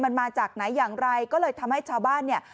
มันมาจากไหนอย่างไรก็เลยทำให้ชาวบ้านเนี่ย